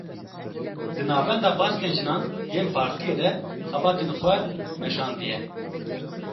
Di navenda baskên jinan yên partiyê de xebatên xwe meşandiye